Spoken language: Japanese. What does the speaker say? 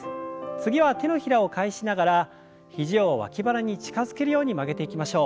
次は手のひらを返しながら肘を脇腹に近づけるように曲げていきましょう。